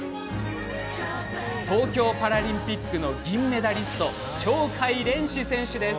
東京パラリンピックの銀メダリスト、鳥海連志選手です。